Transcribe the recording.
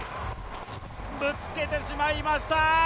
ぶつけてしまいました。